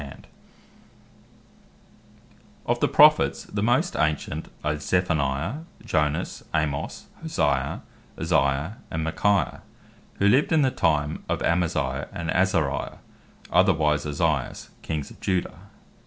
The Prophets Of the Prophets, the most ancient, are Sophoniah, Jonas, Amos, Hosea, Isaiah and Michaiah, who lived in the time of Amaziah, and Azariah, otherwise Ozias, Kings of Judah.